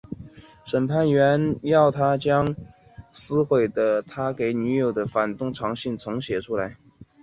审判员要他将被撕毁的他给女友的反动长信重写出来。